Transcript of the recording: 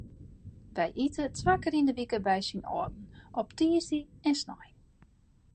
Wy ite twa kear yn de wike by syn âlden, op tiisdei en snein.